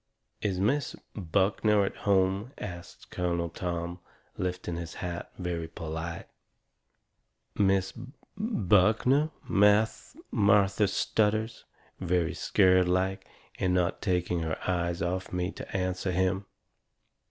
"Is Miss Buckner at home?" asts Colonel Tom, lifting his hat very polite. "Miss B B Buckner?" Martha stutters, very scared like, and not taking her eyes off of me to answer him.